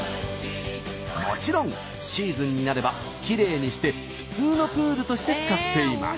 もちろんシーズンになればきれいにして普通のプールとして使っています。